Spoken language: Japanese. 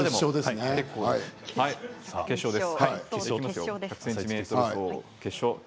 決勝です。